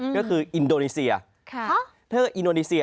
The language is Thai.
ก็คืออินโดนีเซีย